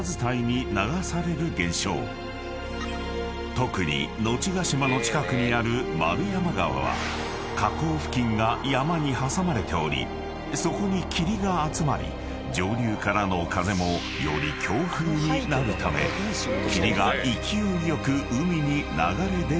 ［特に後ヶ島の近くにある円山川は河口付近が山に挟まれておりそこに霧が集まり上流からの風もより強風になるため霧が勢いよく海に流れ出るという］